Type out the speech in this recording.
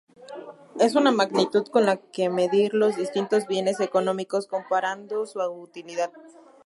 Es una magnitud con la que medir los distintos bienes económicos comparando su utilidad.